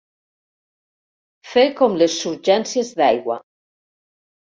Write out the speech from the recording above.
Fer com les surgències d'aigua.